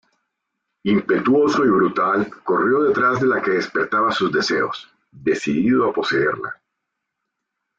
Impetuoso y brutal, corrió detrás de la que despertaba sus deseos, decidido a poseerla.